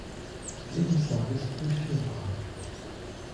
Lebensjahres durchführbar.